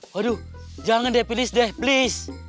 waduh jangan dia please deh please